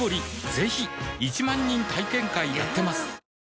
ぜひ１万人体験会やってますはぁ。